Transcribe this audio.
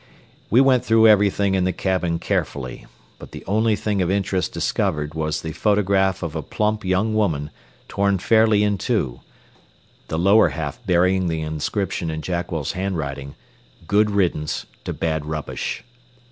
We went through everything in the cabin carefully, but the only thing of interest discovered was the photograph of a plump young woman torn fairly in two, the lower half bearing the inscription in Jackwell's handwriting, "Good riddance to bad rubbish."